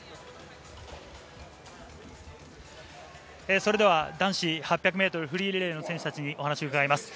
それでは、男子８００メートルフリーリレーの選手たちにお話伺います。